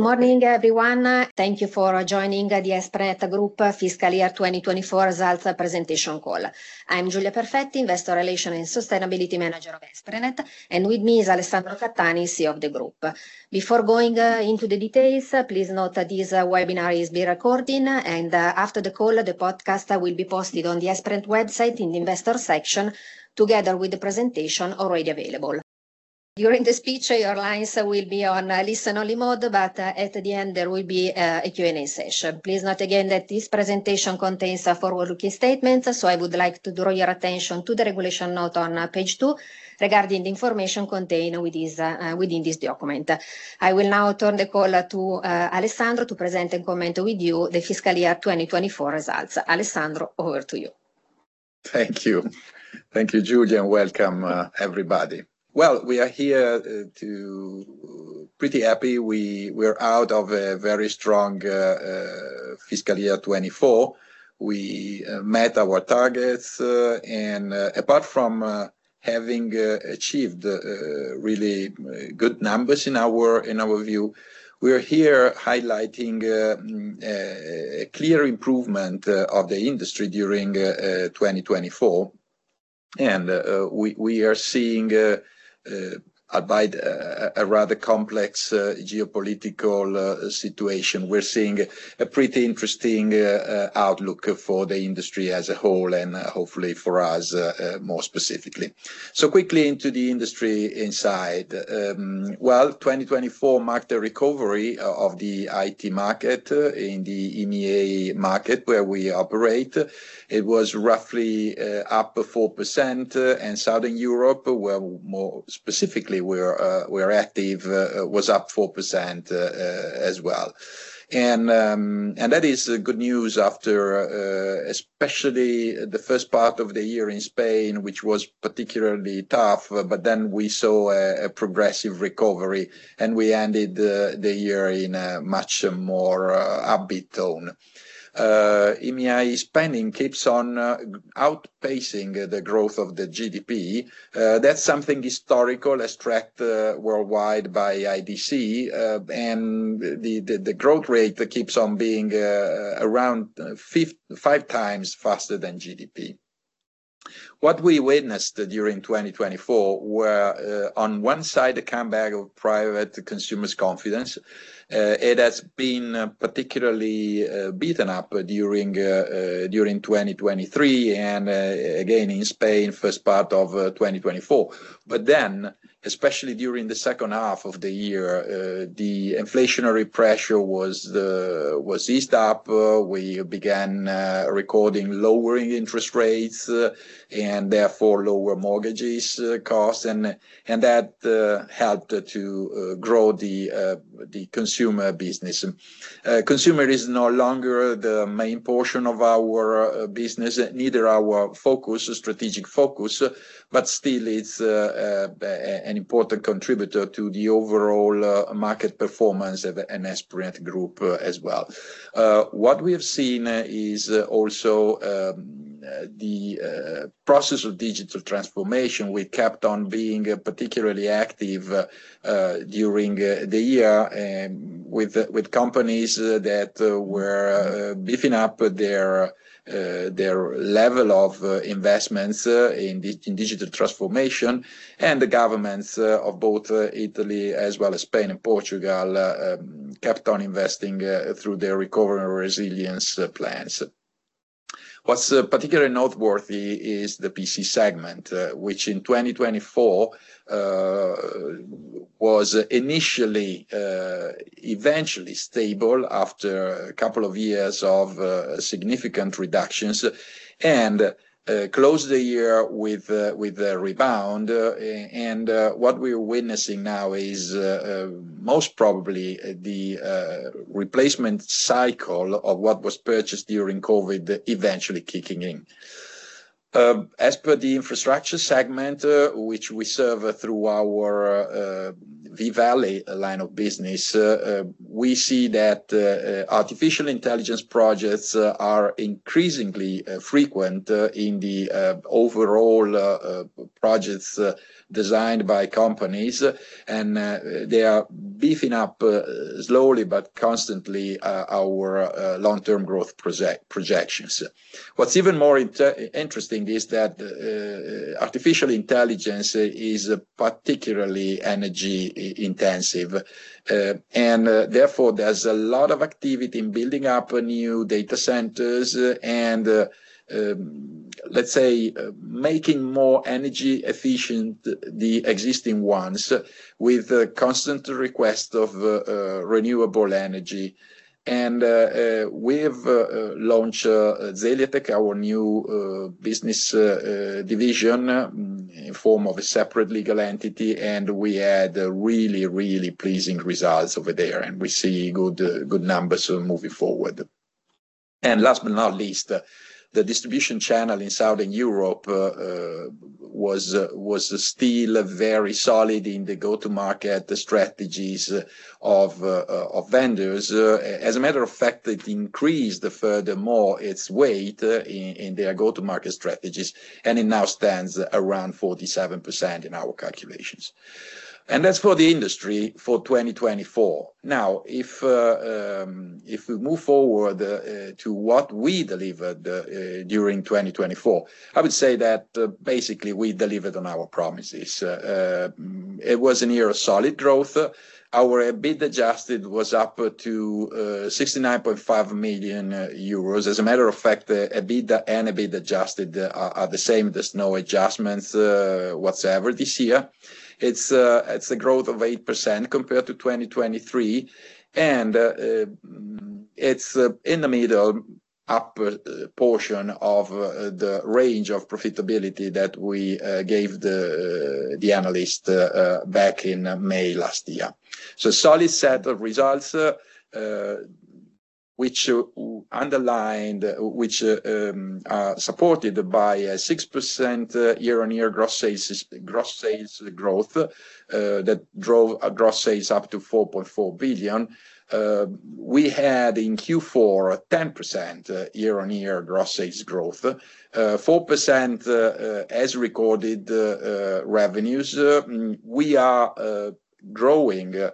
Good morning, everyone. Thank you for joining the Esprinet Group Fiscal Year 2024 Results Presentation Call. I'm Giulia Perfetti, Investor Relations and Sustainability Manager of Esprinet, and with me is Alessandro Cattani, CEO of the Group. Before going into the details, please note that this webinar is being recorded, and after the call, the podcast will be posted on the Esprinet website in the Investor section, together with the presentation already available. During the speech, your lines will be on listen only mode, but at the end, there will be a Q and A session. Please note again that this presentation contains forward-looking statements, so I would like to draw your attention to the regulation note on Page 2 regarding the information contained within this document. I will now turn the call to Alessandro to present and comment with you the fiscal year 2024 results. Alessandro, over to you. Thank you. Thank you, Giulia, and welcome, everybody. We are here pretty happy. We are out of a very strong Fiscal Year 2024. We met our targets, and apart from having achieved really good numbers in our view, we are here highlighting a clear improvement of the industry during 2024. We are seeing, albeit a rather complex geopolitical situation, a pretty interesting outlook for the industry as a whole, and hopefully for us more specifically. Quickly into the industry inside. 2024 marked a recovery of the IT market in the EMEA market where we operate. It was roughly up 4%, and Southern Europe, where more specifically we are active, was up 4% as well. That is good news after especially the first part of the year in Spain, which was particularly tough, but we saw a progressive recovery, and we ended the year in a much more upbeat tone. EMEA spending keeps on outpacing the growth of the GDP. That is something historical, as tracked worldwide by IDC, and the growth rate keeps on being around five times faster than GDP. What we witnessed during 2024 were, on one side, a comeback of private consumers' confidence. It has been particularly beaten up during 2023, and again in Spain, first part of 2024. Then, especially during the second half of the year, the inflationary pressure was eased up. We began recording lowering interest rates and therefore lower mortgage costs, and that helped to grow the consumer business. Consumer is no longer the main portion of our business, neither our strategic focus, but still it's an important contributor to the overall market performance of Esprinet Group as well. What we have seen is also the process of digital transformation. We kept on being particularly active during the year with companies that were beefing up their level of investments in digital transformation, and the Governments of both Italy as well as Spain and Portugal kept on investing through their recovery and resilience plans. What's particularly noteworthy is the PC segment, which in 2024 was initially eventually stable after a couple of years of significant reductions and closed the year with a rebound. What we are witnessing now is most probably the replacement cycle of what was purchased during COVID eventually kicking in. As per the infrastructure segment, which we serve through our V-Valley line of business, we see that artificial intelligence projects are increasingly frequent in the overall projects designed by companies, and they are beefing up slowly but constantly our long-term growth projections. What is even more interesting is that artificial intelligence is particularly energy intensive, and therefore there is a lot of activity in building up new data centers and, let's say, making more energy efficient the existing ones with constant request of renewable energy. We have launched Zeliatech, our new business division in form of a separate legal entity, and we had really, really pleasing results over there, and we see good numbers moving forward. Last but not least, the distribution channel in Southern Europe was still very solid in the go-to-market strategies of vendors. As a matter of fact, it increased furthermore its weight in their go-to-market strategies, and it now stands around 47% in our calculations. That is for the industry for 2024. Now, if we move forward to what we delivered during 2024, I would say that basically we delivered on our promises. It was a year of solid growth. Our EBITDA adjusted was up to 69.5 million euros. As a matter of fact, EBITDA and EBITDA adjusted are the same. There are no adjustments whatsoever this year. It is a growth of 8% compared to 2023, and it is in the middle up portion of the range of profitability that we gave the analysts back in May last year. Solid set of results, which are supported by a 6% year on year gross sales growth that drove gross sales up to 4.4 billion. We had in Q4 10% year on year gross sales growth, 4% as recorded revenues. We are growing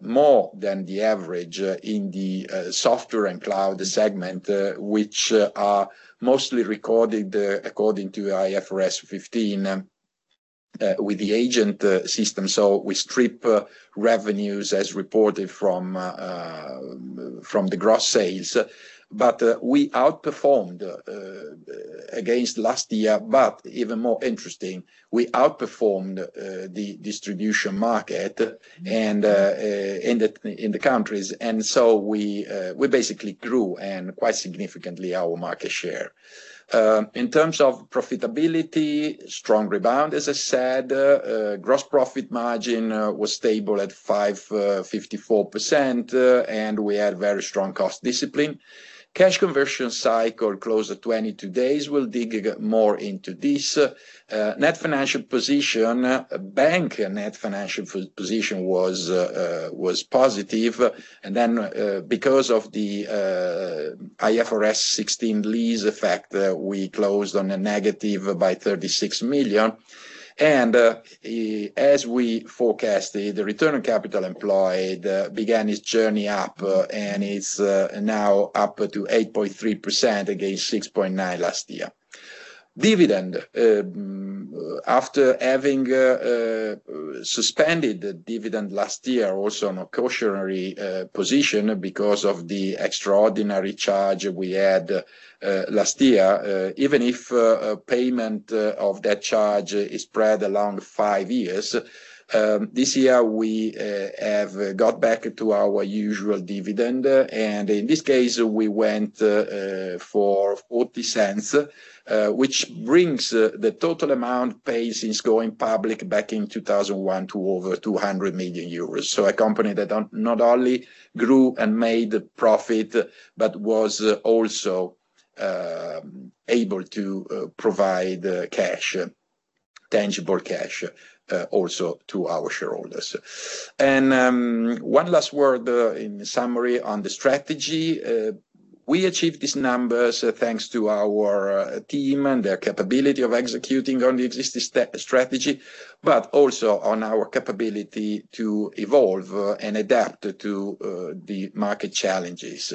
more than the average in the software and cloud segment, which are mostly recorded according to IFRS 15 with the agent system. We strip revenues as reported from the gross sales, but we outperformed against last year. Even more interesting, we outperformed the distribution market in the countries. We basically grew quite significantly our market share. In terms of profitability, strong rebound, as I said, gross profit margin was stable at 54%, and we had very strong cost discipline. Cash conversion cycle closer to 22 days. We'll dig more into this. Net financial position, bank net financial position was positive. Because of the IFRS 16 lease effect, we closed on a negative by 36 million. As we forecasted, the return on capital employed began its journey up, and it's now up to 8.3% against 6.9% last year. Dividend, after having suspended dividend last year, also on a cautionary position because of the extraordinary charge we had last year, even if payment of that charge is spread along five years, this year we have got back to our usual dividend. In this case, we went for 0.40, which brings the total amount paid since going public back in 2001 to over 200 million euros. A company that not only grew and made profit, but was also able to provide cash, tangible cash also to our shareholders. One last word in summary on the strategy. We achieved these numbers thanks to our team and their capability of executing on the existing strategy, but also on our capability to evolve and adapt to the market challenges.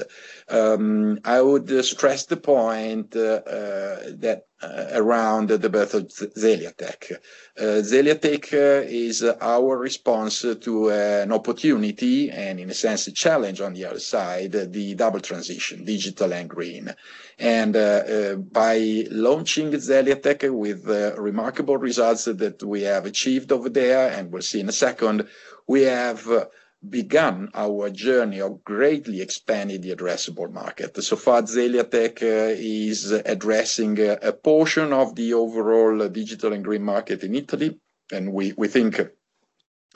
I would stress the point that around the birth of Zeliatech. Zeliatech is our response to an opportunity and, in a sense, a challenge on the other side, the double transition, digital and green. By launching Zeliatech with remarkable results that we have achieved over there, and we will see in a second, we have begun our journey of greatly expanding the addressable market. So far, Zeliatech is addressing a portion of the overall digital and green market in Italy, and we think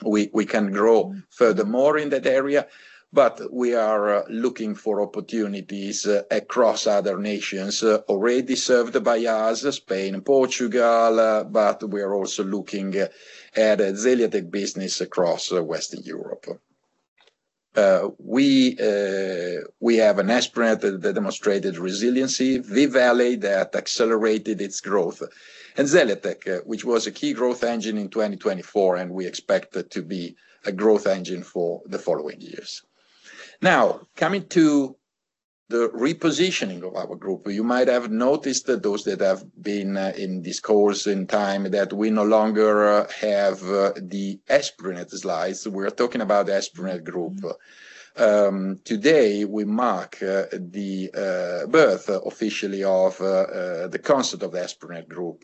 we can grow furthermore in that area, but we are looking for opportunities across other nations already served by us, Spain and Portugal, but we are also looking at Zeliatech business across Western Europe. We have an Esprinet that demonstrated resiliency, V-Valley that accelerated its growth, and Zeliatech, which was a key growth engine in 2024, and we expect to be a growth engine for the following years. Now, coming to the repositioning of our group, you might have noticed that those that have been in this course in time that we no longer have the Esprinet slides. We are talking about the Esprinet Group. Today, we mark the birth officially of the concept of the Esprinet Group.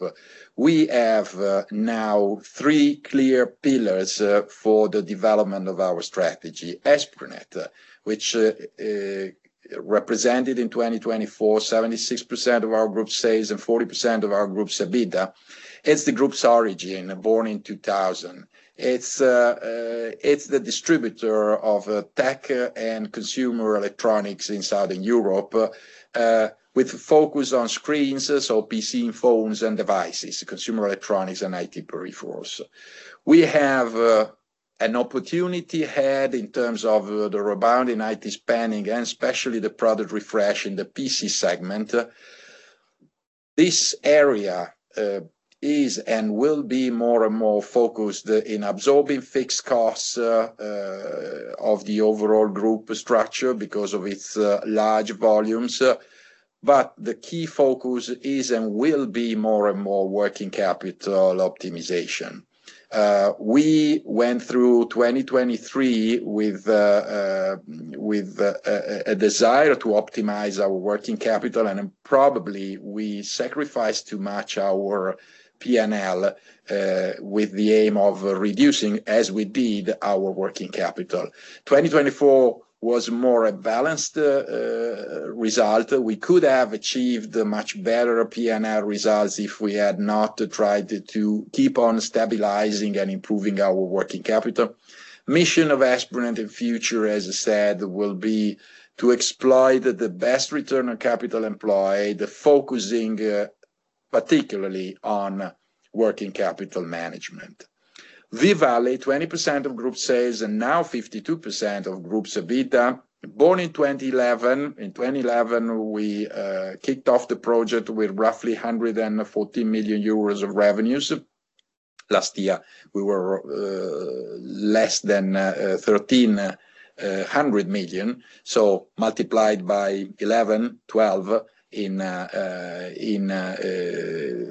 We have now three clear pillars for the development of our strategy. Esprinet, which represented in 2024, 76% of our group sales and 40% of our group's EBITDA. It's the group's origin, born in 2000. It's the distributor of tech and consumer electronics in Southern Europe with a focus on screens, so PC and phones and devices, consumer electronics and IT peripherals. We have an opportunity ahead in terms of the rebound in IT spending and especially the product refresh in the PC segment. This area is and will be more and more focused in absorbing fixed costs of the overall group structure because of its large volumes, but the key focus is and will be more and more working capital optimization. We went through 2023 with a desire to optimize our working capital, and probably we sacrificed too much our P&L with the aim of reducing, as we did, our working capital. 2024 was more a balanced result. We could have achieved much better P&L results if we had not tried to keep on stabilizing and improving our working capital. Mission of Esprinet in future, as I said, will be to exploit the best return on capital employed, focusing particularly on working capital management. V-Valley, 20% of group sales and now 52% of group's EBITDA, born in 2011. In 2011, we kicked off the project with roughly 140 million euros of revenues. Last year, we were less than 1,300 million, so multiplied by 11-12 in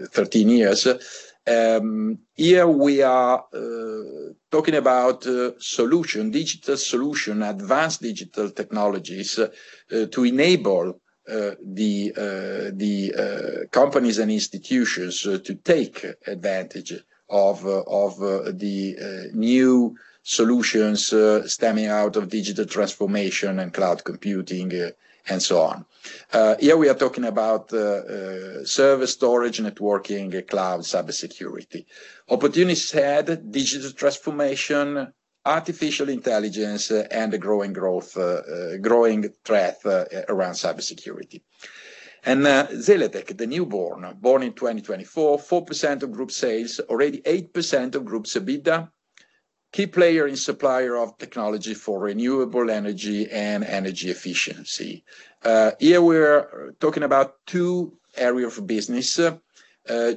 13 years. Here we are talking about solution, digital solution, advanced digital technologies to enable the companies and institutions to take advantage of the new solutions stemming out of digital transformation and cloud computing and so on. Here we are talking about server storage, networking, cloud, cybersecurity. Opportunities ahead, digital transformation, artificial intelligence, and a growing threat around cybersecurity. Zeliatech, the newborn, born in 2024, 4% of group sales, already 8% of group's EBITDA, key player in supplier of technology for renewable energy and energy efficiency. Here we're talking about two areas of business,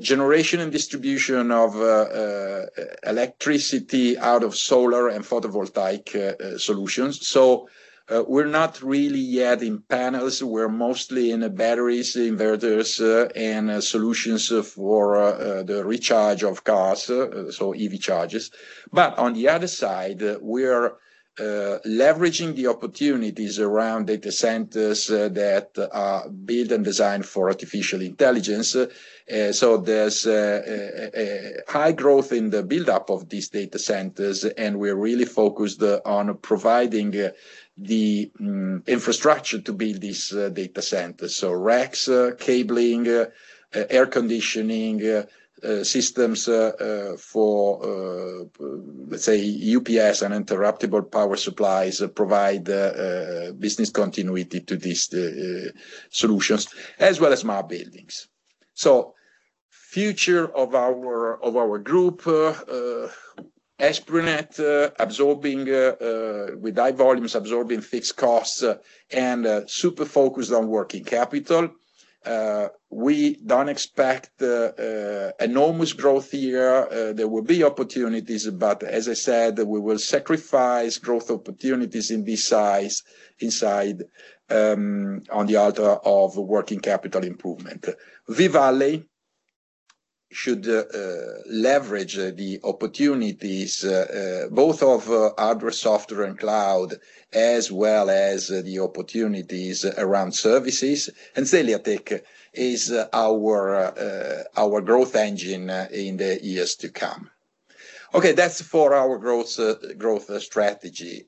generation and distribution of electricity out of solar and photovoltaic solutions. We are not really yet in panels. We are mostly in batteries, inverters, and solutions for the recharge of cars, so EV chargers. On the other side, we are leveraging the opportunities around data centers that are built and designed for artificial intelligence. There is high growth in the buildup of these data centers, and we are really focused on providing the infrastructure to build these data centers. Racks, cabling, air conditioning systems for, let's say, UPS and uninterruptible power supplies provide business continuity to these solutions, as well as mobile buildings. The future of our group, Esprinet, with high volumes, absorbing fixed costs and super focused on working capital. We do not expect enormous growth here. There will be opportunities, but as I said, we will sacrifice growth opportunities in this size inside on the altar of working capital improvement. V-Valley should leverage the opportunities both of hardware, software and cloud, as well as the opportunities around services. Zeliatech is our growth engine in the years to come. Okay, that's for our growth strategy.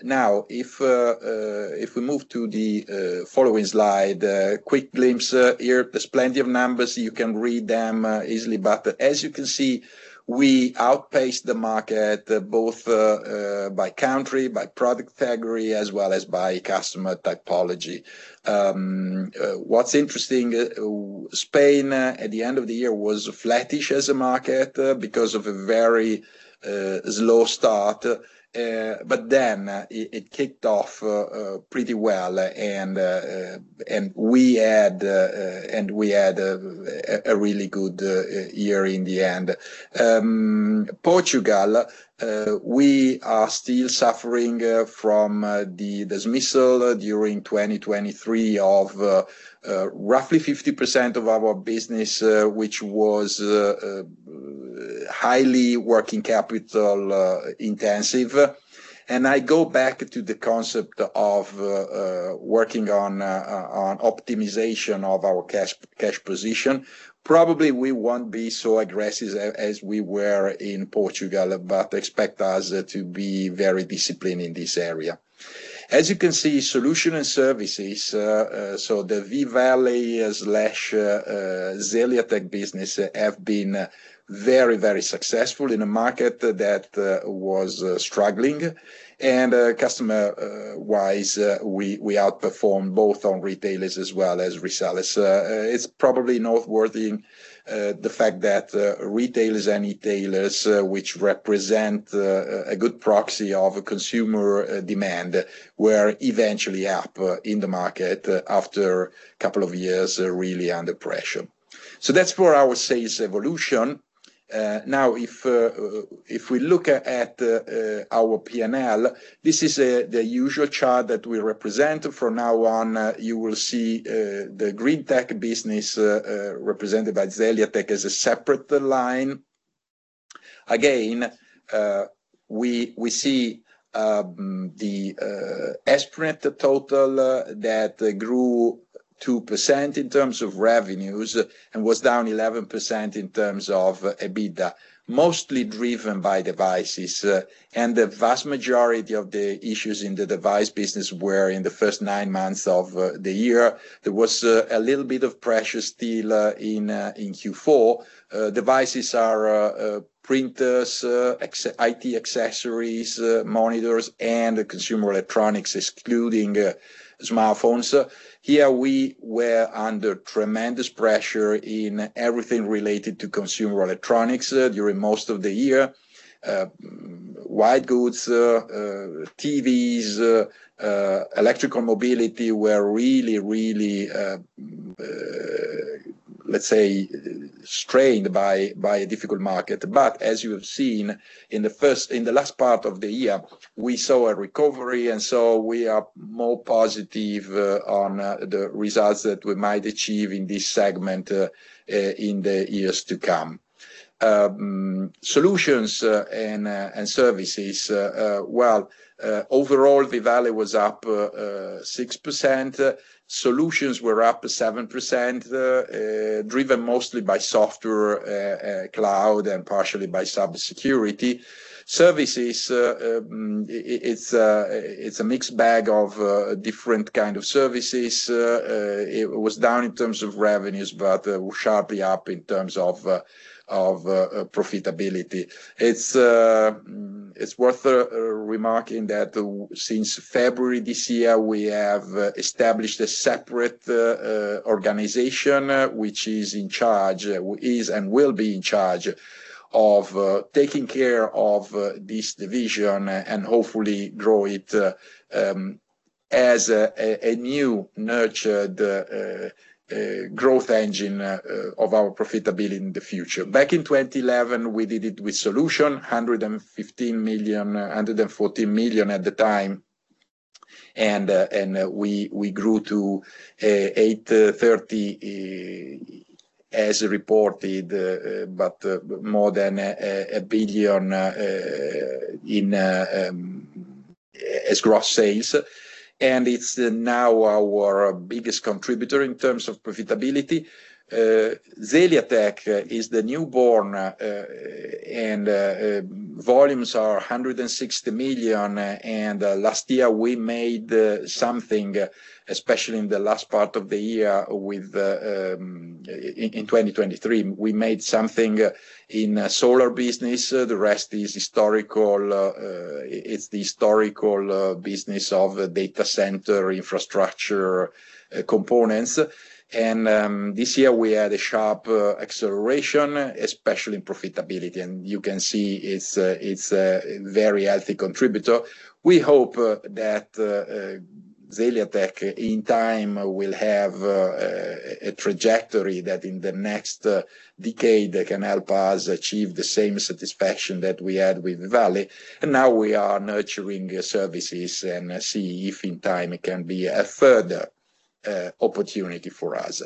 Now, if we move to the following slide, quick glimpse here. There's plenty of numbers. You can read them easily. As you can see, we outpaced the market both by country, by product category, as well as by customer typology. What's interesting, Spain at the end of the year was flattish as a market because of a very slow start, but it kicked off pretty well. We had a really good year in the end. Portugal, we are still suffering from the dismissal during 2023 of roughly 50% of our business, which was highly working capital intensive. I go back to the concept of working on optimization of our cash position. Probably we won't be so aggressive as we were in Portugal, but expect us to be very disciplined in this area. As you can see, solution and services, so the V-Valley/Zeliatech business have been very, very successful in a market that was struggling. Customer-wise, we outperformed both on retailers as well as resellers. It is probably noteworthy the fact that retailers and retailers, which represent a good proxy of consumer demand, were eventually up in the market after a couple of years really under pressure. That is for our sales evolution. Now, if we look at our P&L, this is the usual chart that we represent. From now on, you will see the green tech business represented by Zeliatech as a separate line. Again, we see the Esprinet total that grew 2% in terms of revenues and was down 11% in terms of EBITDA, mostly driven by devices. The vast majority of the issues in the device business were in the first nine months of the year. There was a little bit of pressure still in Q4. Devices are printers, IT accessories, monitors, and consumer electronics, excluding smartphones. Here we were under tremendous pressure in everything related to consumer electronics during most of the year. White goods, TVs, electrical mobility were really, really, let's say, strained by a difficult market. As you have seen in the last part of the year, we saw a recovery, and we are more positive on the results that we might achieve in this segment in the years to come. Solutions and services, well, overall, V-Valley was up 6%. Solutions were up 7%, driven mostly by software, cloud, and partially by cybersecurity. Services, it's a mixed bag of different kinds of services. It was down in terms of revenues, but sharply up in terms of profitability. It's worth remarking that since February this year, we have established a separate organization, which is in charge and will be in charge of taking care of this division and hopefully grow it as a new nurtured growth engine of our profitability in the future. Back in 2011, we did it with solution, 115 million, 114 million at the time. We grew to 830 million as reported, but more than 1 billion as gross sales. It is now our biggest contributor in terms of profitability. Zeliatech is the newborn, and volumes are 160 million. Last year, we made something, especially in the last part of the year in 2023, we made something in solar business. The rest is historical. It is the historical business of data center infrastructure components. This year, we had a sharp acceleration, especially in profitability. You can see it is a very healthy contributor. We hope that Zeliatech in time will have a trajectory that in the next decade can help us achieve the same satisfaction that we had with V-Valley. We are nurturing services and see if in time it can be a further opportunity for us.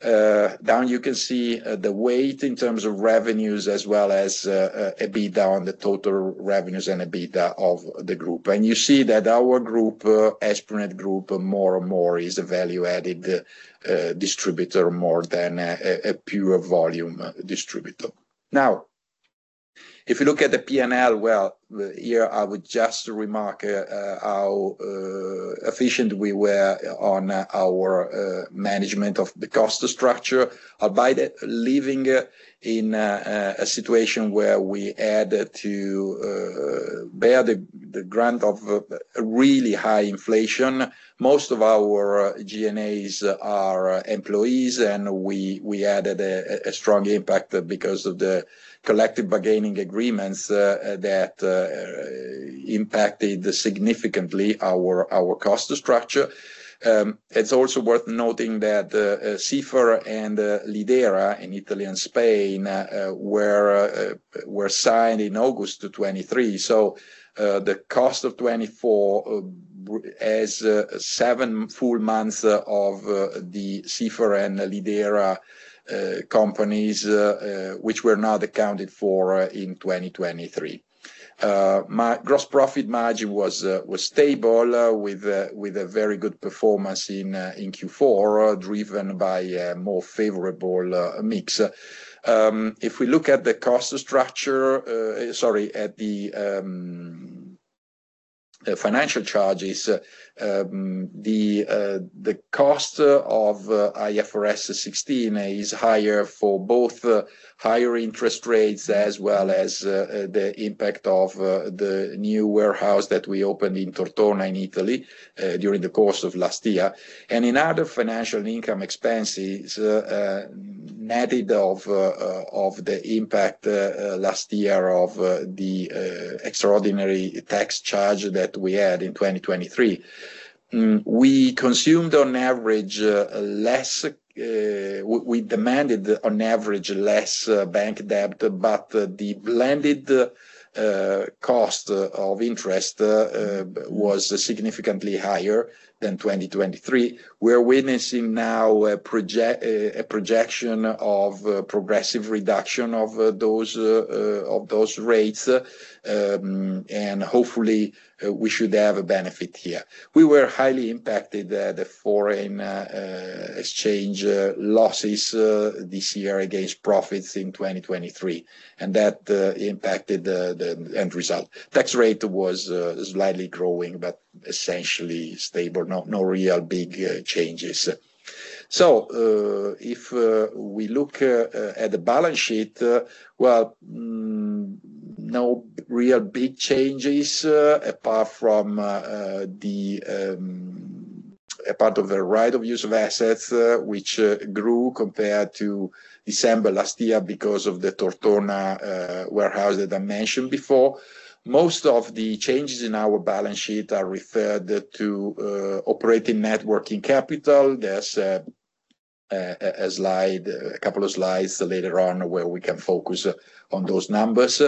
Down, you can see the weight in terms of revenues as well as EBITDA on the total revenues and EBITDA of the group. You see that our group, Esprinet Group, more and more is a value-added distributor more than a pure volume distributor. If you look at the P&L, here I would just remark how efficient we were on our management of the cost structure by leaving in a situation where we had to bear the grunt of really high inflation. Most of our G&A are employees, and we had a strong impact because of the collective bargaining agreements that impacted significantly our cost structure. It's also worth noting that Sifar and Lidera in Italy and Spain were signed in August 2023. The cost of 2024 has seven full months of the Sifar and Lidera companies, which were not accounted for in 2023. Gross profit margin was stable with a very good performance in Q4, driven by a more favorable mix. If we look at the cost structure, sorry, at the financial charges, the cost of IFRS 16 is higher for both higher interest rates as well as the impact of the new warehouse that we opened in Tortona in Italy during the course of last year. In other financial income expenses, netted of the impact last year of the extraordinary tax charge that we had in 2023, we consumed on average less, we demanded on average less bank debt, but the blended cost of interest was significantly higher than 2023. We are witnessing now a projection of progressive reduction of those rates, and hopefully, we should have a benefit here. We were highly impacted at the foreign exchange losses this year against profits in 2023, and that impacted the end result. Tax rate was slightly growing, but essentially stable. No real big changes. If we look at the balance sheet, no real big changes apart from the part of the right of use of assets, which grew compared to December last year because of the Tortona warehouse that I mentioned before. Most of the changes in our balance sheet are referred to operating networking capital. There is a slide, a couple of slides later on where we can focus on those numbers.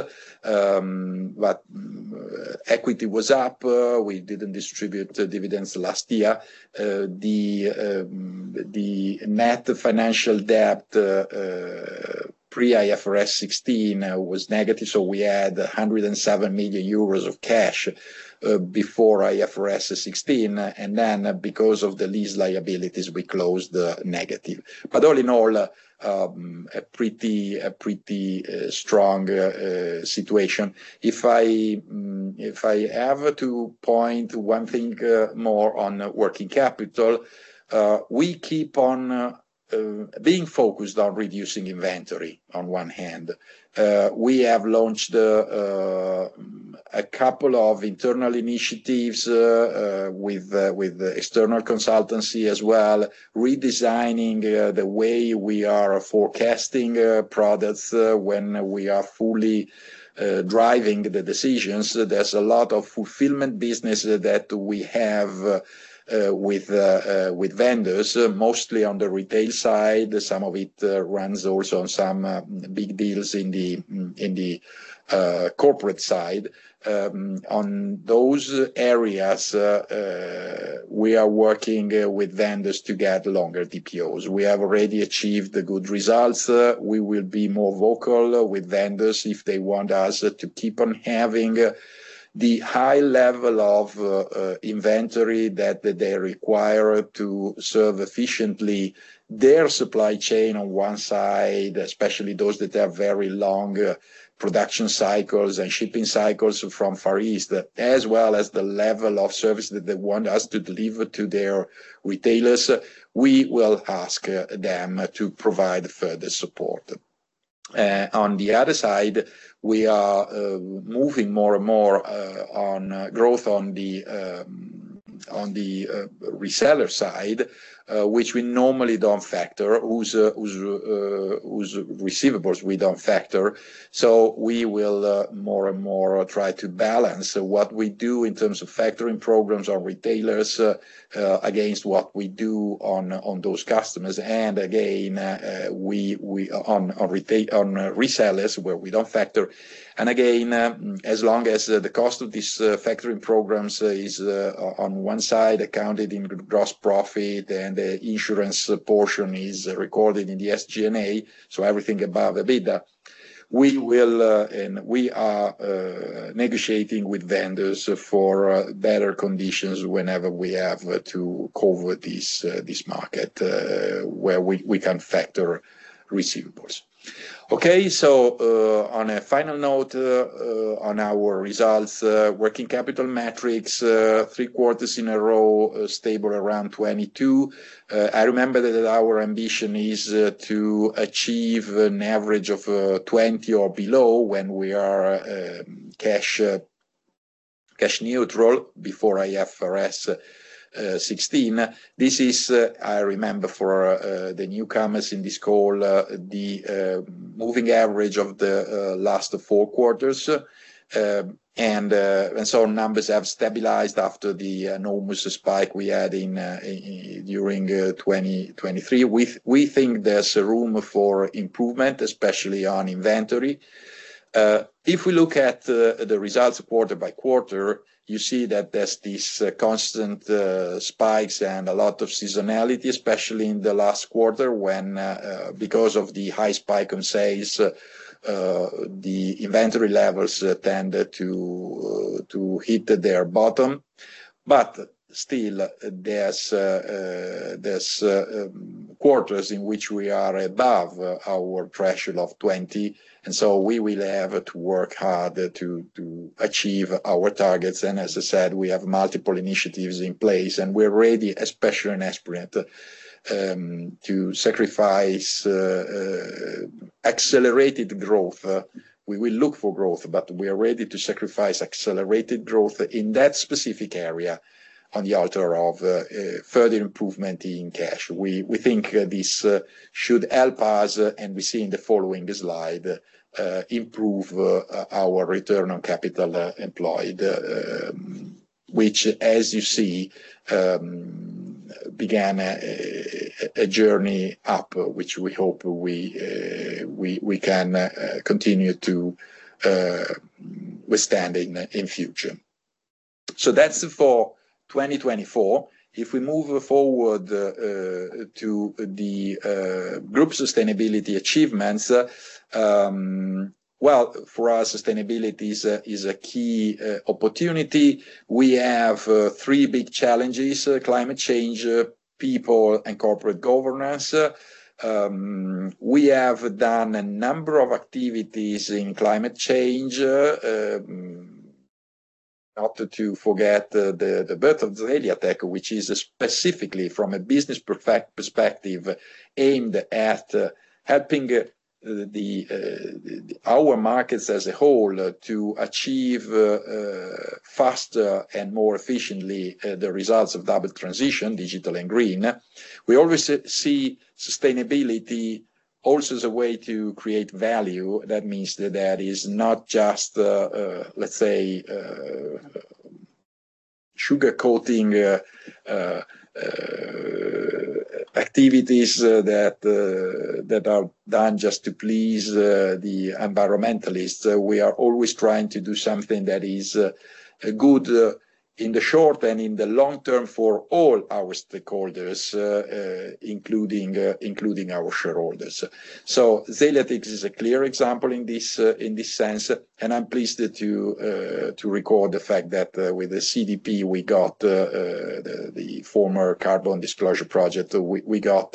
Equity was up. We did not distribute dividends last year. The net financial debt pre-IFRS 16 was negative, so we had 107 million euros of cash before IFRS 16. Because of the lease liabilities, we closed negative. All in all, a pretty strong situation. If I have to point one thing more on working capital, we keep on being focused on reducing inventory on one hand. We have launched a couple of internal initiatives with external consultancy as well, redesigning the way we are forecasting products when we are fully driving the decisions. There is a lot of fulfillment business that we have with vendors, mostly on the retail side. Some of it runs also on some big deals in the corporate side. On those areas, we are working with vendors to get longer DPOs. We have already achieved good results. We will be more vocal with vendors if they want us to keep on having the high level of inventory that they require to serve efficiently their supply chain on one side, especially those that have very long production cycles and shipping cycles from Far East, as well as the level of service that they want us to deliver to their retailers. We will ask them to provide further support. On the other side, we are moving more and more on growth on the reseller side, which we normally do not factor, whose receivables we do not factor. We will more and more try to balance what we do in terms of factoring programs on retailers against what we do on those customers. Again, on resellers, where we do not factor. Again, as long as the cost of these factoring programs is on one side accounted in gross profit and the insurance portion is recorded in the SG&A, so everything above EBITDA, we will and we are negotiating with vendors for better conditions whenever we have to cover this market where we can factor receivables. On a final note on our results, working capital metrics, three quarters in a row, stable around 22. I remember that our ambition is to achieve an average of 20 or below when we are cash neutral before IFRS 16. This is, I remember for the newcomers in this call, the moving average of the last four quarters. Numbers have stabilized after the enormous spike we had during 2023. We think there's room for improvement, especially on inventory. If we look at the results quarter by quarter, you see that there's these constant spikes and a lot of seasonality, especially in the last quarter when, because of the high spike on sales, the inventory levels tended to hit their bottom. Still, there's quarters in which we are above our threshold of 20. We will have to work hard to achieve our targets. As I said, we have multiple initiatives in place, and we're ready, especially in Esprinet, to sacrifice accelerated growth. We will look for growth, but we are ready to sacrifice accelerated growth in that specific area on the altar of further improvement in cash. We think this should help us, and we see in the following slide, improve our return on capital employed, which, as you see, began a journey up, which we hope we can continue to withstand in future. That is for 2024. If we move forward to the group sustainability achievements, for us, sustainability is a key opportunity. We have three big challenges: climate change, people, and corporate governance. We have done a number of activities in climate change, not to forget the birth of Zeliatech, which is specifically from a business perspective aimed at helping our markets as a whole to achieve faster and more efficiently the results of double transition, digital and green. We always see sustainability also as a way to create value. That means that there is not just, let's say, sugarcoating activities that are done just to please the environmentalists. We are always trying to do something that is good in the short and in the long term for all our stakeholders, including our shareholders. Zeliatech is a clear example in this sense. I am pleased to record the fact that with the CDP, we got the former Carbon Disclosure Project. We got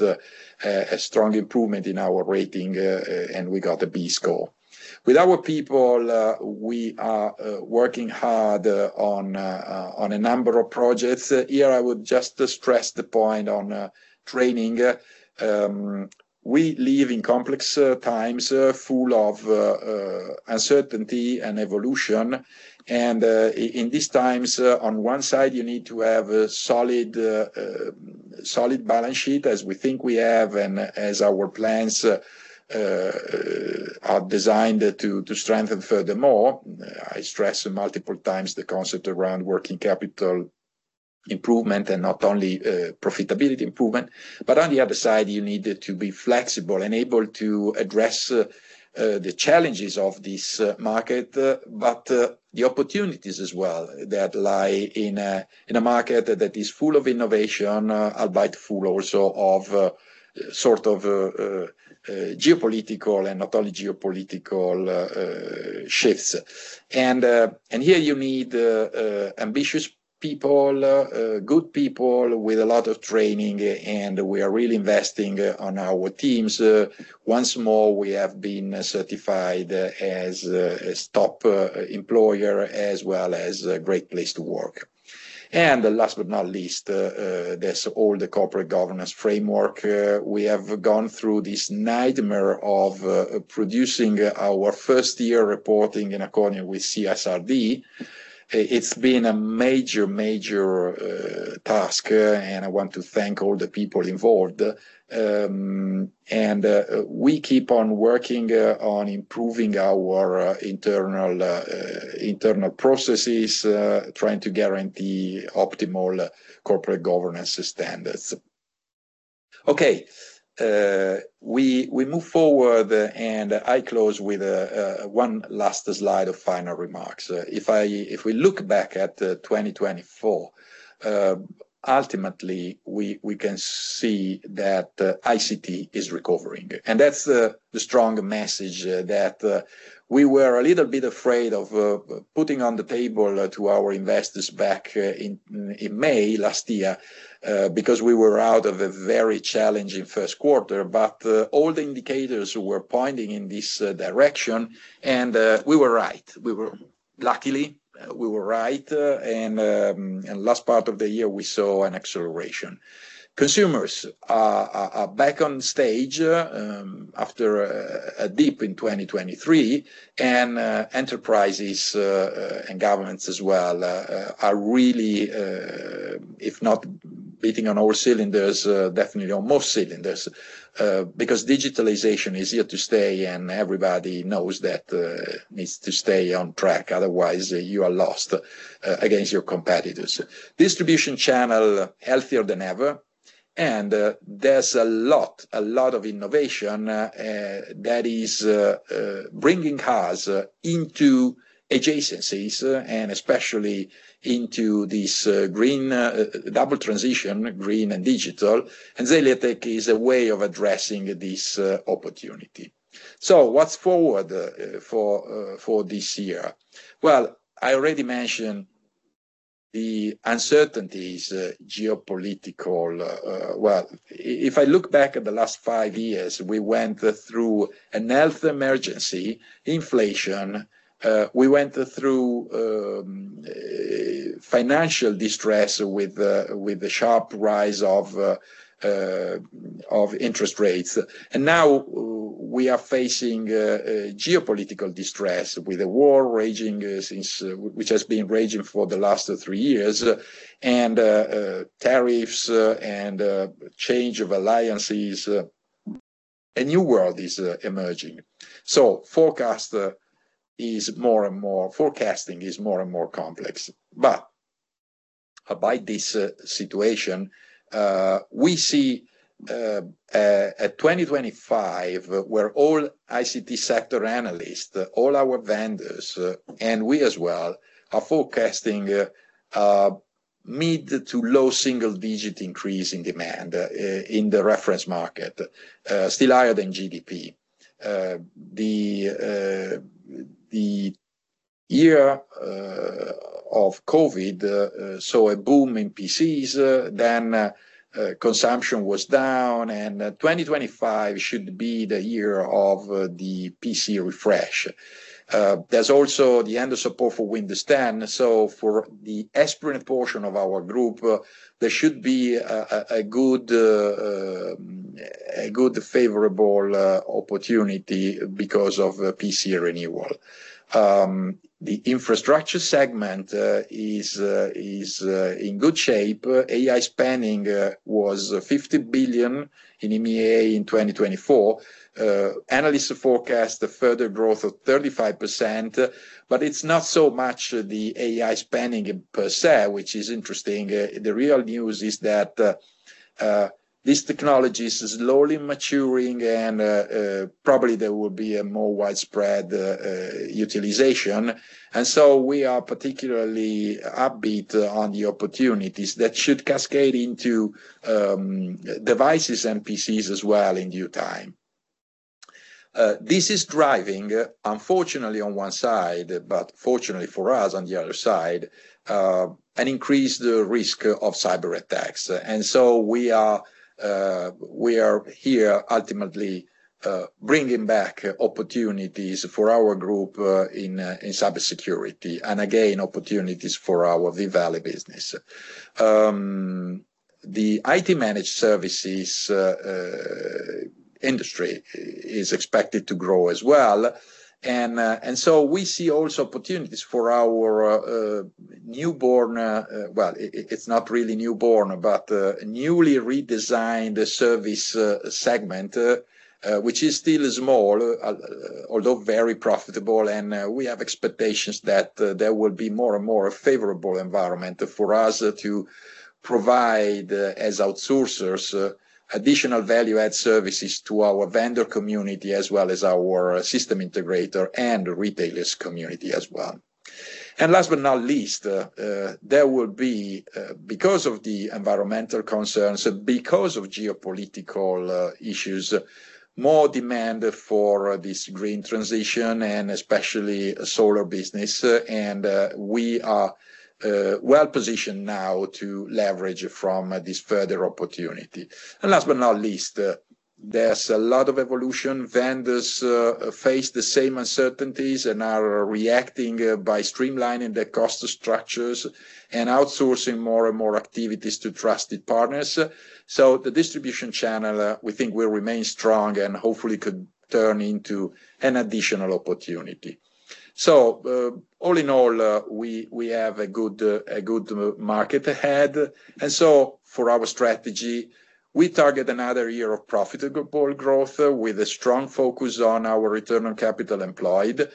a strong improvement in our rating, and we got a B Score. With our people, we are working hard on a number of projects. Here, I would just stress the point on training. We live in complex times full of uncertainty and evolution. In these times, on one side, you need to have a solid balance sheet, as we think we have, and as our plans are designed to strengthen furthermore. I stress multiple times the concept around working capital improvement and not only profitability improvement. On the other side, you need to be flexible and able to address the challenges of this market, but the opportunities as well that lie in a market that is full of innovation, albeit full also of sort of geopolitical and not only geopolitical shifts. Here you need ambitious people, good people with a lot of training, and we are really investing on our teams. Once more, we have been certified as a Top Employer as well as a Great Place to Work. Last but not least, there is all the corporate governance framework. We have gone through this nightmare of producing our first-year reporting in accordance with CSRD. It has been a major, major task, and I want to thank all the people involved. We keep on working on improving our internal processes, trying to guarantee optimal corporate governance standards. Okay, we move forward, and I close with one last slide of final remarks. If we look back at 2024, ultimately, we can see that ICT is recovering. That's the strong message that we were a little bit afraid of putting on the table to our investors back in May last year because we were out of a very challenging first quarter. All the indicators were pointing in this direction, and we were right. Luckily, we were right. The last part of the year, we saw an acceleration. Consumers are back on stage after a dip in 2023, and enterprises and governments as well are really, if not beating on all cylinders, definitely on most cylinders because digitalization is here to stay, and everybody knows that needs to stay on track. Otherwise, you are lost against your competitors. Distribution channel healthier than ever, and there's a lot of innovation that is bringing cars into adjacencies and especially into this green double transition, green and digital. Zeliatech is a way of addressing this opportunity. What's forward for this year? I already mentioned the uncertainties geopolitical. If I look back at the last five years, we went through a health emergency, inflation. We went through financial distress with the sharp rise of interest rates. Now we are facing geopolitical distress with a war raging, which has been raging for the last three years, and tariffs and change of alliances. A new world is emerging. Forecast is more and more forecasting is more and more complex. By this situation, we see a 2025 where all ICT sector analysts, all our vendors, and we as well are forecasting mid to low single-digit increase in demand in the reference market, still higher than GDP. The year of COVID saw a boom in PCs. Then consumption was down, and 2025 should be the year of the PC refresh. There is also the end of support for Windows 10. For the Esprinet portion of our group, there should be a good favorable opportunity because of PC renewal. The infrastructure segment is in good shape. AI spending was 50 billion in EMEA in 2024. Analysts forecast a further growth of 35%, but it is not so much the AI spending per se, which is interesting. The real news is that these technologies are slowly maturing, and probably there will be a more widespread utilization. We are particularly upbeat on the opportunities that should cascade into devices and PCs as well in due time. This is driving, unfortunately, on one side, but fortunately for us on the other side, an increased risk of cyber attacks. We are here ultimately bringing back opportunities for our group in cybersecurity and again, opportunities for our V-Valley business. The IT managed services industry is expected to grow as well. We see also opportunities for our newborn, well, it is not really newborn, but newly redesigned service segment, which is still small, although very profitable. We have expectations that there will be more and more favorable environment for us to provide as outsourcers additional value-add services to our vendor community as well as our system integrator and retailers community as well. Last but not least, there will be, because of the environmental concerns, because of geopolitical issues, more demand for this green transition and especially solar business. We are well positioned now to leverage from this further opportunity. Last but not least, there's a lot of evolution. Vendors face the same uncertainties and are reacting by streamlining their cost structures and outsourcing more and more activities to trusted partners. The distribution channel, we think, will remain strong and hopefully could turn into an additional opportunity. All in all, we have a good market ahead. For our strategy, we target another year of profitable growth with a strong focus on our return on capital employed.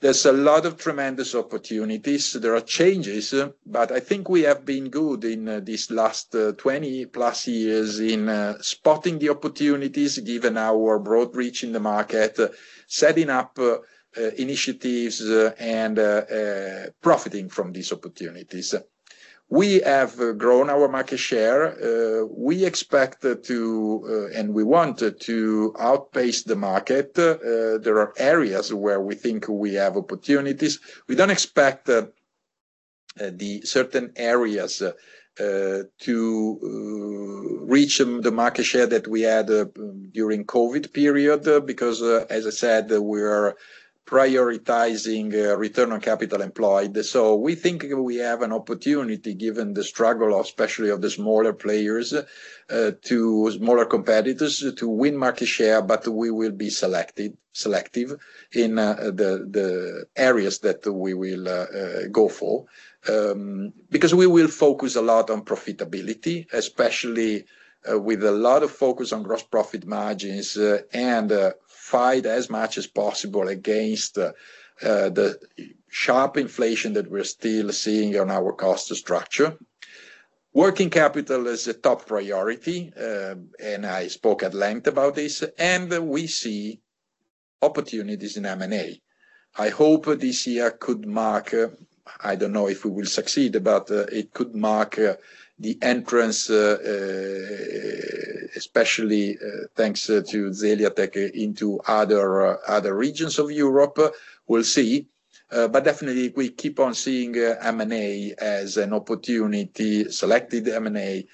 There's a lot of tremendous opportunities. There are changes, but I think we have been good in these last 20 plus years in spotting the opportunities given our broad reach in the market, setting up initiatives and profiting from these opportunities. We have grown our market share. We expect to, and we want to outpace the market. There are areas where we think we have opportunities. We do not expect certain areas to reach the market share that we had during the COVID period because, as I said, we are prioritizing return on capital employed. We think we have an opportunity given the struggle of especially the smaller players, the smaller competitors, to win market share, but we will be selective in the areas that we will go for because we will focus a lot on profitability, especially with a lot of focus on gross profit margins and fight as much as possible against the sharp inflation that we're still seeing on our cost structure. Working capital is a top priority, and I spoke at length about this, and we see opportunities in M&A. I hope this year could mark, I do not know if we will succeed, but it could mark the entrance, especially thanks to Zeliatech, into other regions of Europe. We will see. Definitely, we keep on seeing M&A as an opportunity, selected M&A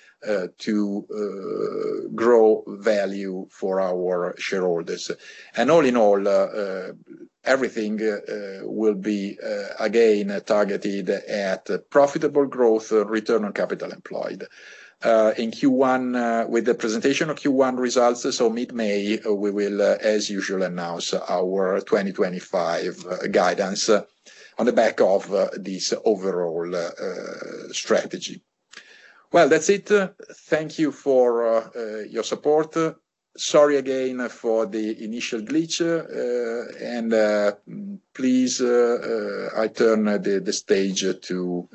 to grow value for our shareholders. All in all, everything will be again targeted at profitable growth, return on capital employed. In Q1, with the presentation of Q1 results, so mid-May, we will, as usual, announce our 2025 guidance on the back of this overall strategy. That is it. Thank you for your support. Sorry again for the initial glitch. Please, I turn the stage to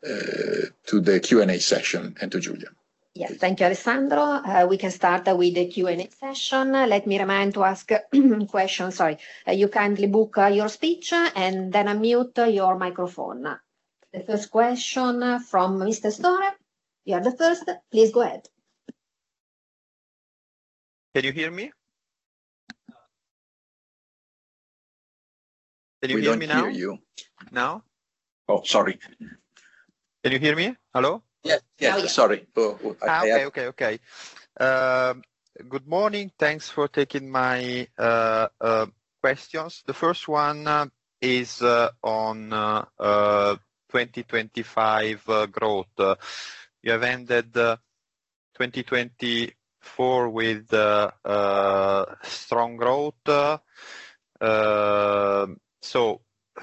the Q and A session and to Giulia. Yes, thank you, Alessandro. We can start with the Q and A session. Let me remind to ask questions. Sorry. You kindly book your speech and then unmute your microphone. The first question from Mr. Storer. You are the first. Please go ahead. Can you hear me? Yes, we can hear you. Can you hear me now? We do not hear you. Now? Oh, sorry. Can you hear me? Hello? Yes. Sorry. Okay, okay, okay. Good morning. Thanks for taking my questions. The first one is on 2025 growth. You have ended 2024 with strong growth.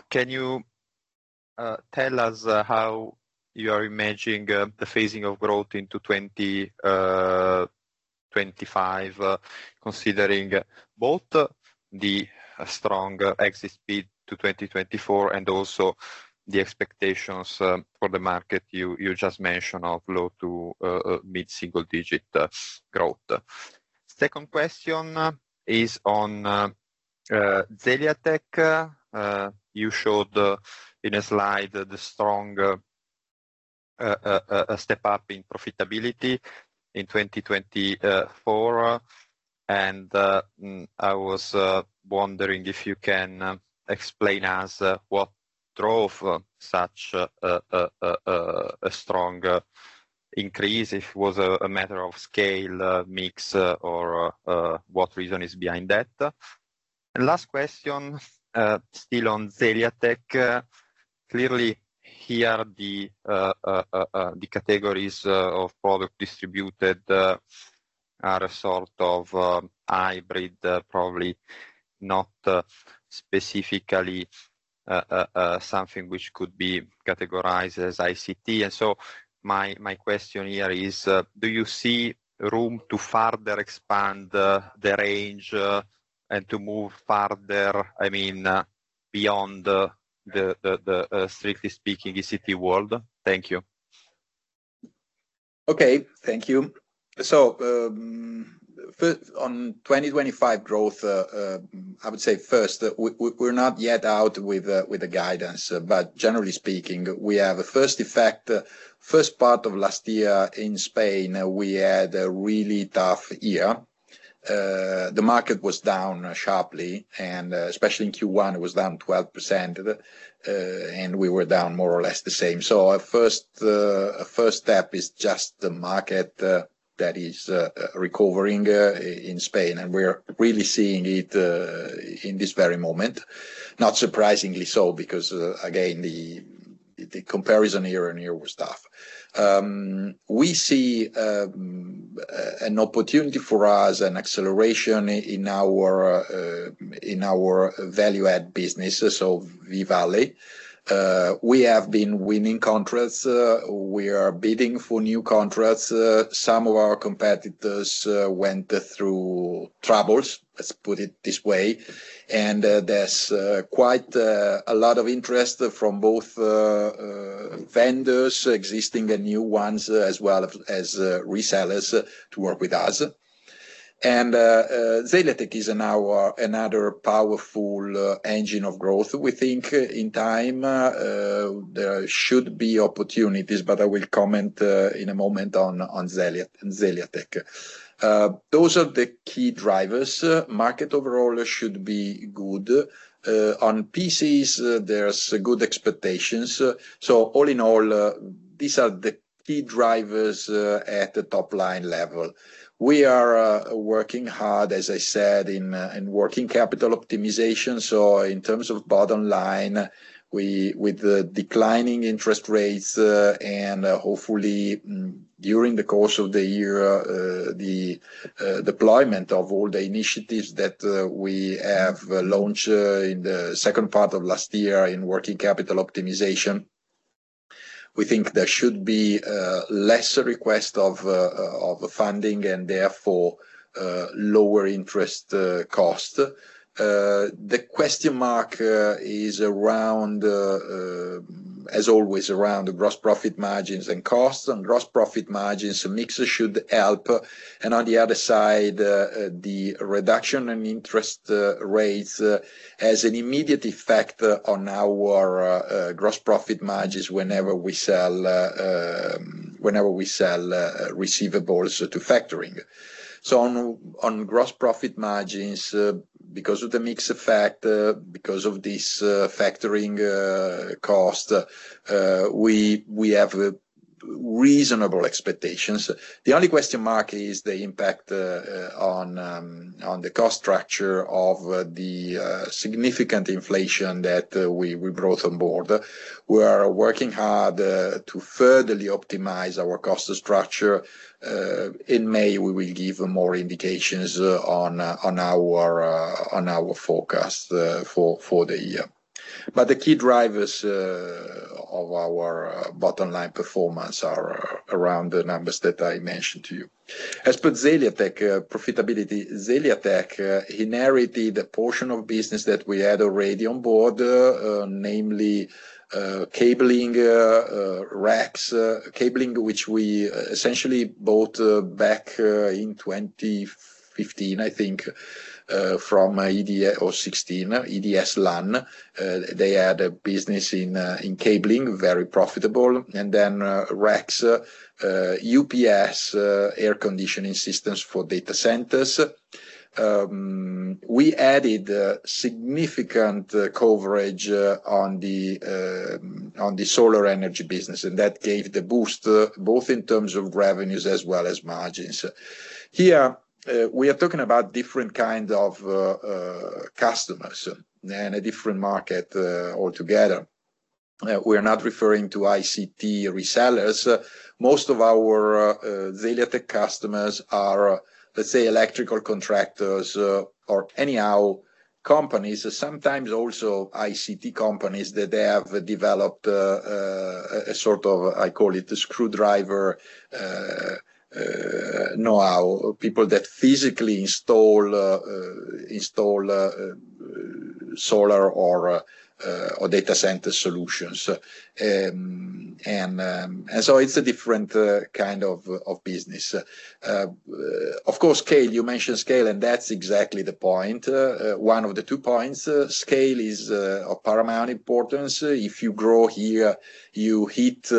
Can you tell us how you are imagining the phasing of growth into 2025, considering both the strong exit speed to 2024 and also the expectations for the market you just mentioned of low to mid-single-digit growth? Second question is on Zeliatech. You showed in a slide the strong step-up in profitability in 2024. I was wondering if you can explain to us what drove such a strong increase, if it was a matter of scale mix or what reason is behind that. Last question, still on Zeliatech. Clearly, here the categories of product distributed are a sort of hybrid, probably not specifically something which could be categorized as ICT. My question here is, do you see room to further expand the range and to move further, I mean, beyond the strictly speaking ICT world? Thank you. Okay, thank you. On 2025 growth, I would say first, we're not yet out with the guidance, but generally speaking, we have a first effect, first part of last year in Spain, we had a really tough year. The market was down sharply, and especially in Q1, it was down 12%, and we were down more or less the same. Our first step is just the market that is recovering in Spain, and we're really seeing it in this very moment. Not surprisingly so because, again, the comparison year on year was tough. We see an opportunity for us, an acceleration in our value-add business, so V-Valley. We have been winning contracts. We are bidding for new contracts. Some of our competitors went through troubles, let's put it this way. There is quite a lot of interest from both vendors, existing and new ones, as well as resellers to work with us. Zeliatech is now another powerful engine of growth, we think, in time. There should be opportunities, but I will comment in a moment on Zeliatech. Those are the key drivers. Market overall should be good. On PCs, there are good expectations. All in all, these are the key drivers at the top line level. We are working hard, as I said, in working capital optimization. In terms of bottom line, with declining interest rates and hopefully during the course of the year, the deployment of all the initiatives that we have launched in the second part of last year in working capital optimization, we think there should be lesser request of funding and therefore lower interest cost. The question mark is around, as always, around the gross profit margins and costs. Gross profit margins mix should help. On the other side, the reduction in interest rates has an immediate effect on our gross profit margins whenever we sell receivables to factoring. On gross profit margins, because of the mix effect, because of this factoring cost, we have reasonable expectations. The only question mark is the impact on the cost structure of the significant inflation that we brought on board. We are working hard to further optimize our cost structure. In May, we will give more indications on our forecast for the year. The key drivers of our bottom line performance are around the numbers that I mentioned to you. As per Zeliatech profitability, Zeliatech inherited a portion of business that we had already on board, namely cabling racks, cabling which we essentially bought back in 2015, I think, from EDSLan. They had a business in cabling, very profitable. Then racks, UPS, air conditioning systems for data centers. We added significant coverage on the solar energy business, and that gave the boost both in terms of revenues as well as margins. Here, we are talking about different kinds of customers and a different market altogether. We are not referring to ICT resellers. Most of our Zeliatech customers are, let's say, electrical contractors or anyhow companies, sometimes also ICT companies that they have developed a sort of, I call it the screwdriver know-how, people that physically install solar or data center solutions. It is a different kind of business. Of course, scale, you mentioned scale, and that's exactly the point. One of the two points, scale is of paramount importance. If you grow here, you hit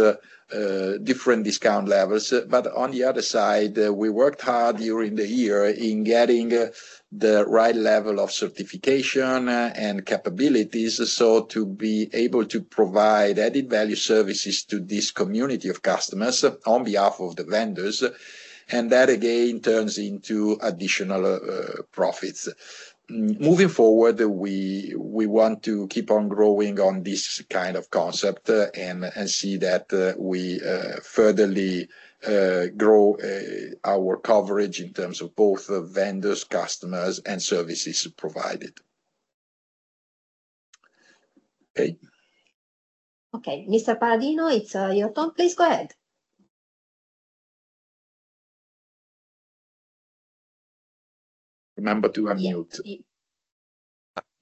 different discount levels. On the other side, we worked hard during the year in getting the right level of certification and capabilities so to be able to provide added value services to this community of customers on behalf of the vendors. That again turns into additional profits. Moving forward, we want to keep on growing on this kind of concept and see that we furtherly grow our coverage in terms of both vendors, customers, and services provided. Okay. Okay, Mr. Palladino, it's your turn. Please go ahead. Remember to unmute.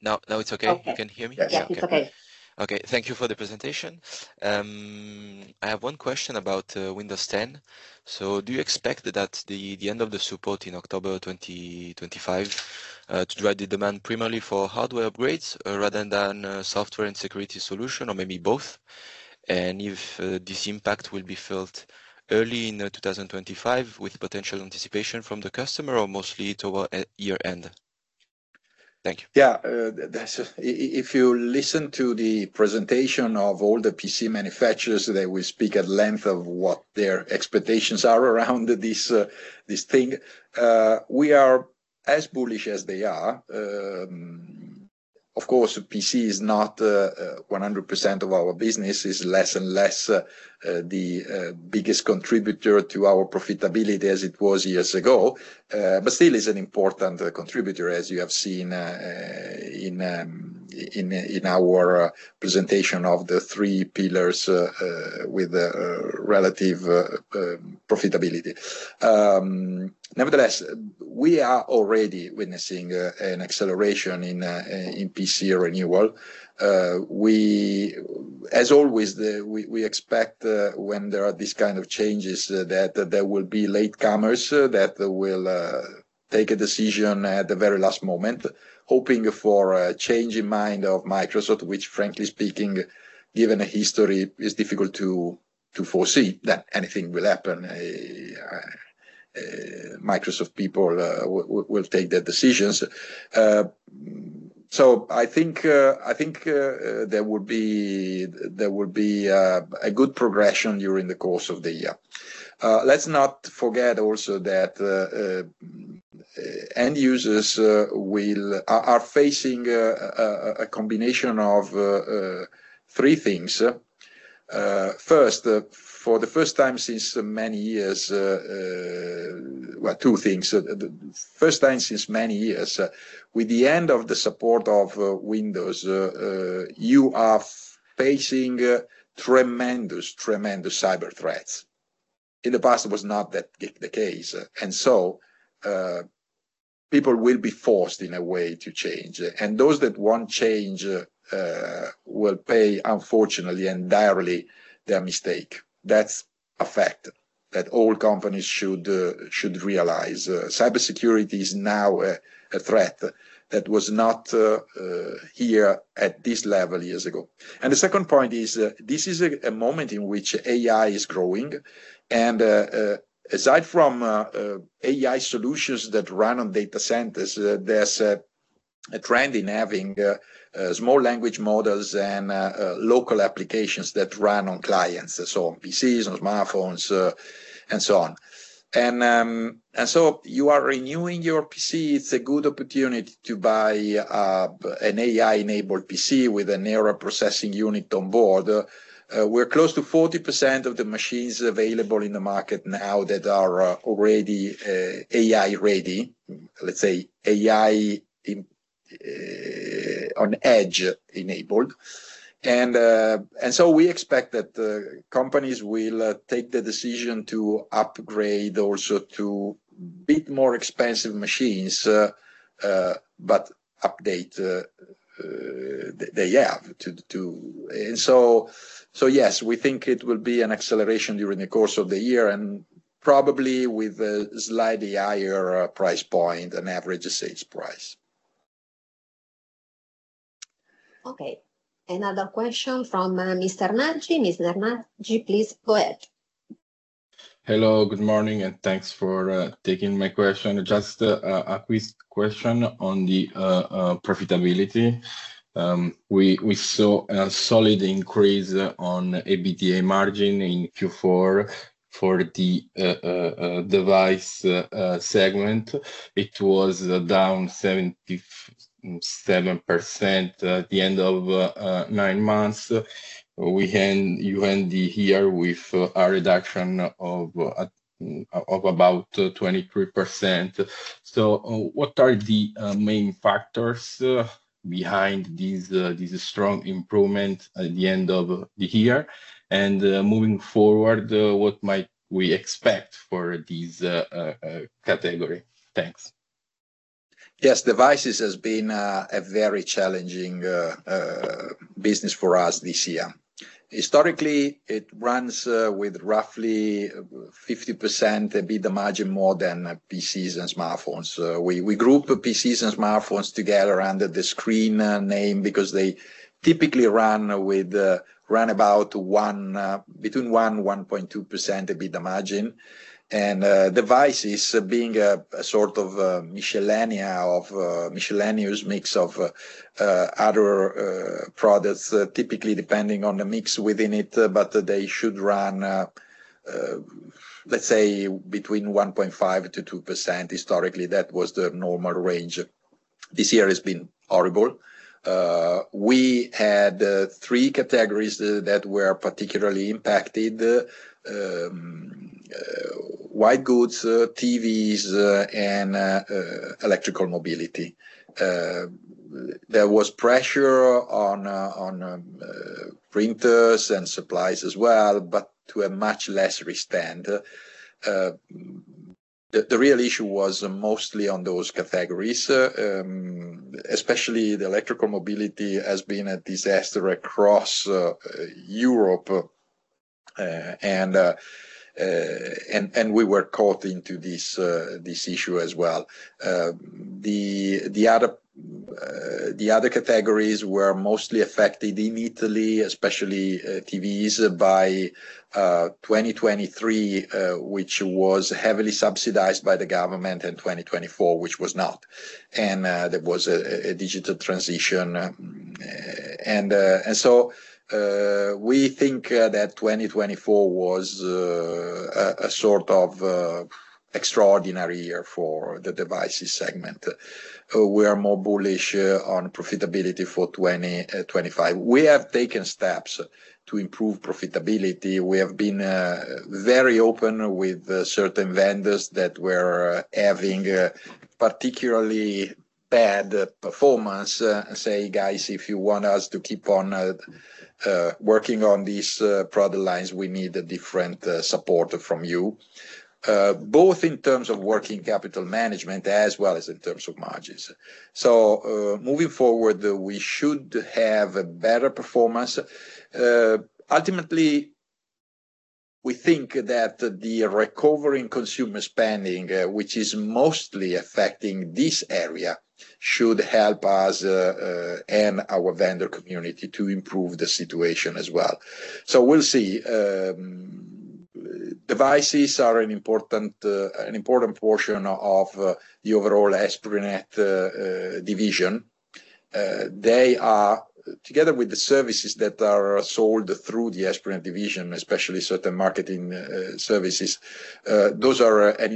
No, it's okay. You can hear me? Yeah, okay. Okay, thank you for the presentation. I have one question about Windows 10. Do you expect that the end of the support in October 2025 to drive the demand primarily for hardware upgrades rather than software and security solution, or maybe both? If this impact will be felt early in 2025 with potential anticipation from the customer or mostly toward year-end? Thank you. Yeah. If you listen to the presentation of all the PC manufacturers that will speak at length of what their expectations are around this thing, we are as bullish as they are. Of course, PC is not 100% of our business. It's less and less the biggest contributor to our profitability as it was years ago, but still is an important contributor, as you have seen in our presentation of the three pillars with relative profitability. Nevertheless, we are already witnessing an acceleration in PC renewal. As always, we expect when there are these kinds of changes that there will be latecomers that will take a decision at the very last moment, hoping for a change in mind of Microsoft, which, frankly speaking, given the history, it's difficult to foresee that anything will happen. Microsoft people will take their decisions. I think there will be a good progression during the course of the year. Let's not forget also that end users are facing a combination of three things. First, for the first time since many years, well, two things. First time since many years, with the end of the support of Windows, you are facing tremendous, tremendous cyber threats. In the past, it was not the case. People will be forced, in a way, to change. Those that want change will pay, unfortunately and direly, their mistake. That's a fact that all companies should realize. Cybersecurity is now a threat that was not here at this level years ago. The second point is this is a moment in which AI is growing. Aside from AI solutions that run on data centers, there's a trend in having small language models and local applications that run on clients, so on PCs, on smartphones, and so on. You are renewing your PC. It's a good opportunity to buy an AI-enabled PC with an neural processing unit on board. We're close to 40% of the machines available in the market now that are already AI-ready, let's say AI on edge enabled. We expect that companies will take the decision to upgrade also to a bit more expensive machines, but update they have. Yes, we think it will be an acceleration during the course of the year and probably with a slightly higher price point, an average sales price. Okay. Another question from Mr. Nanji. Mr. Nanji, please go ahead. Hello, good morning, and thanks for taking my question. Just a quick question on the profitability. We saw a solid increase on EBITDA margin in Q4 for the device segment. It was down 77% at the end of nine months. We end the year with a reduction of about 23%. What are the main factors behind this strong improvement at the end of the year? Moving forward, what might we expect for this category? Thanks. Yes, devices has been a very challenging business for us this year. Historically, it runs with roughly 50% EBITDA margin more than PCs and smartphones. We group PCs and smartphones together under the screen name because they typically run with around between 1% and 1.2% a bit of margin. And devices being a sort of miscellaneous mix of other products, typically depending on the mix within it, but they should run, let's say, between 1.5% to 2%. Historically, that was the normal range. This year has been horrible. We had three categories that were particularly impacted, white goods, TVs, and electrical mobility. There was pressure on printers and supplies as well, but to a much lesser extent. The real issue was mostly on those categories, especially the electrical mobility has been a disaster across Europe. We were caught into this issue as well. The other categories were mostly affected in Italy, especially TVs, by 2023, which was heavily subsidized by the government, and 2024, which was not. There was a digital transition. We think that 2024 was a sort of extraordinary year for the devices segment. We are more bullish on profitability for 2025. We have taken steps to improve profitability. We have been very open with certain vendors that were having particularly bad performance and say, "Guys, if you want us to keep on working on these product lines, we need different support from you," both in terms of working capital management as well as in terms of margins. Moving forward, we should have better performance. Ultimately, we think that the recovering consumer spending, which is mostly affecting this area, should help us and our vendor community to improve the situation as well. Devices are an important portion of the overall Esprinet division. They are, together with the services that are sold through the Esprinet division, especially certain marketing services, those are an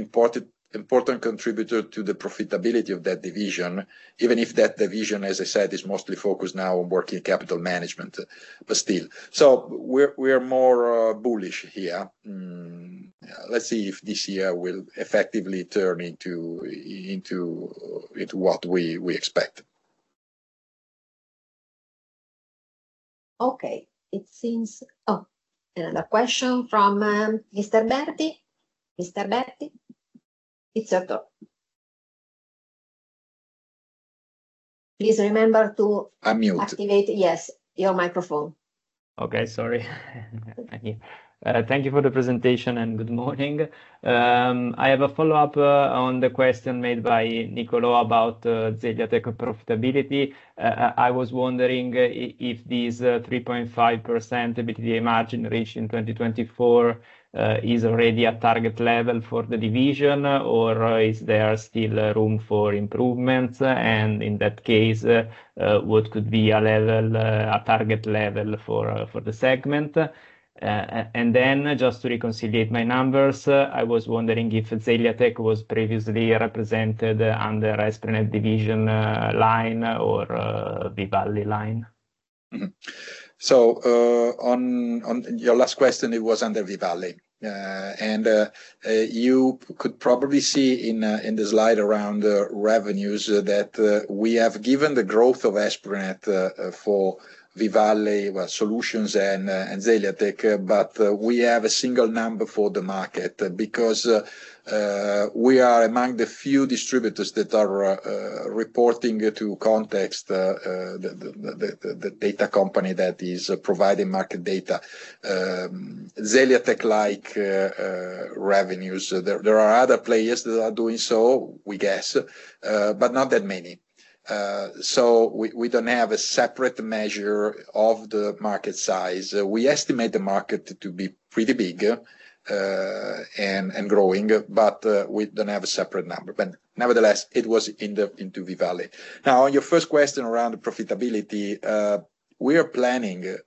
important contributor to the profitability of that division, even if that division, as I said, is mostly focused now on working capital management, but still. We are more bullish here. Let's see if this year will effectively turn into what we expect. Okay. Oh, another question from Mr. Berti. Mr. Berti? It's your turn. Please remember to activate. Unmute. Yes, your microphone. Okay, sorry. Thank you. Thank you for the presentation and good morning. I have a follow-up on the question made by Niccolò about Zeliatech profitability. I was wondering if this 3.5% EBITDA margin reached in 2024 is already a target level for the division, or is there still room for improvements? In that case, what could be a target level for the segment? Just to reconciliate my numbers, I was wondering if Zeliatech was previously represented under Esprinet division line or V-Valley line? On your last question, it was under V-Valley. You could probably see in the slide around revenues that we have given the growth of Esprinet for V-Valley solutions and Zeliatech, but we have a single number for the market because we are among the few distributors that are reporting to Context, the data company that is providing market data, Zeliatech-like revenues. There are other players that are doing so, we guess, but not that many. We do not have a separate measure of the market size. We estimate the market to be pretty big and growing, but we do not have a separate number. Nevertheless, it was into V-Valley. Now, on your first question around profitability, we are planning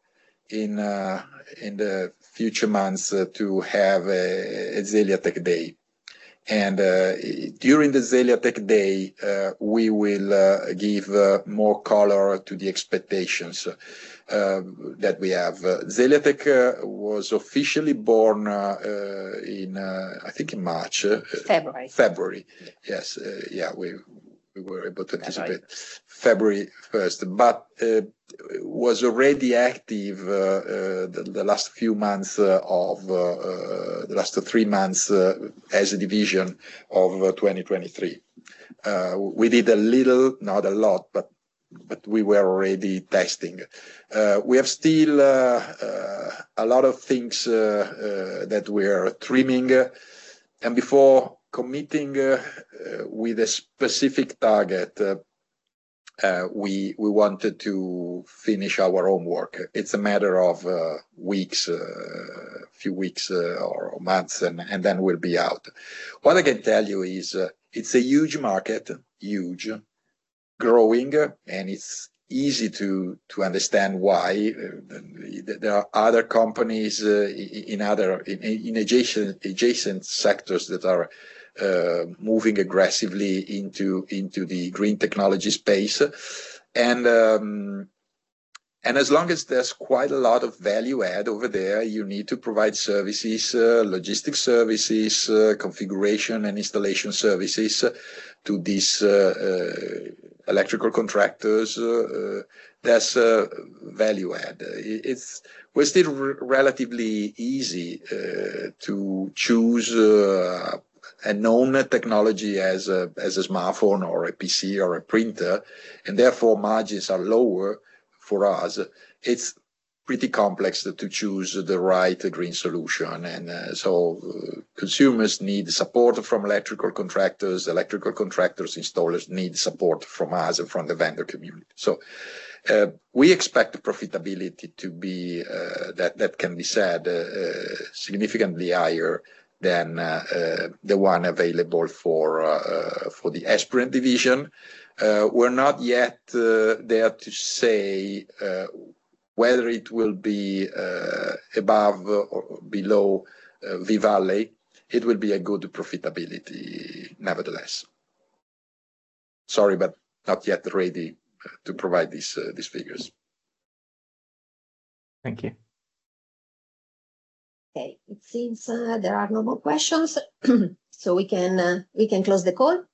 in the future months to have a Zeliatech Day. During the Zeliatech Day, we will give more color to the expectations that we have. Zeliatech was officially born in, I think, March. February. February. Yes. Yeah, we were able to anticipate February 1, but was already active the last few months of the last three months as a division of 2023. We did a little, not a lot, but we were already testing. We have still a lot of things that we are trimming. Before committing with a specific target, we wanted to finish our own work. It's a matter of weeks, a few weeks or months, and then we'll be out. What I can tell you is it's a huge market, huge, growing, and it's easy to understand why. There are other companies in adjacent sectors that are moving aggressively into the green technology space. As long as there's quite a lot of value-add over there, you need to provide services, logistics services, configuration, and installation services to these electrical contractors. There's value-add. It's still relatively easy to choose a known technology as a smartphone or a PC or a printer, and therefore margins are lower for us. It's pretty complex to choose the right green solution. Consumers need support from electrical contractors. Electrical contractors, installers need support from us and from the vendor community. We expect the profitability to be, that can be said, significantly higher than the one available for the Esprinet division. We're not yet there to say whether it will be above or below V-Valley. It will be a good profitability nevertheless. Sorry, but not yet ready to provide these figures. Thank you. Okay. It seems there are no more questions, so we can close the call.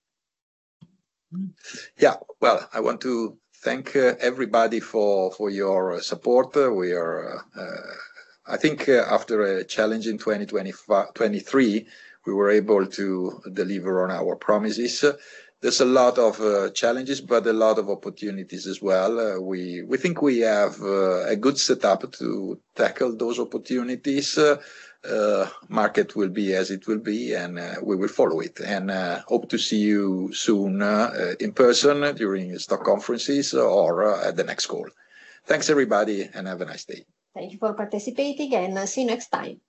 Yeah. I want to thank everybody for your support. I think after a challenge in 2023, we were able to deliver on our promises. There are a lot of challenges, but a lot of opportunities as well. We think we have a good setup to tackle those opportunities. Market will be as it will be, and we will follow it. I hope to see you soon in person during STAR Conferences or at the next call. Thanks, everybody, and have a nice day. Thank you for participating, and see you next time.